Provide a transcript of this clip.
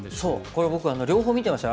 これ僕は両方見てました。